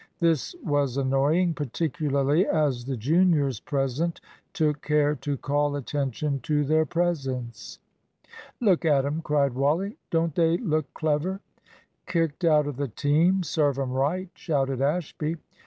This was annoying, particularly as the juniors present took care to call attention to their presence. "Look at 'em," cried Wally; "don't they look clever?" "Kicked out of the team serve 'em right!" shouted Ashby.